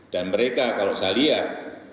dan mereka kalau saya lihat